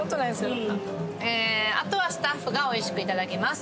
あとはスタッフがおいしくいただきます